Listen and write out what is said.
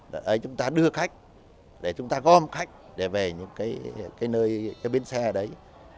để chúng ta đưa khách để chúng ta gom khách để về những cái nơi cái bến xe đấy